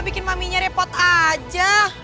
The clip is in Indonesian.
bikin maminya repot aja